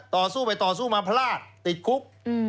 ต่อสู้ไปต่อสู้มาพลาดติดคุก